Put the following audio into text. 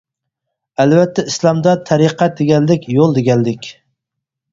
ئەلۋەتتە ئىسلامدا تەرىقەت دېگەنلىك «يول» دېگەنلىك.